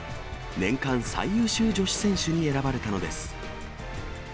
年間最優秀女子選手に選ばれたのです。